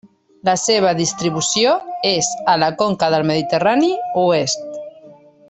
La seva distribució és a la conca del Mediterrani oest.